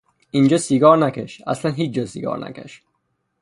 اینجا سیگار نکش، اصلا هیچ جا سیگار نکش!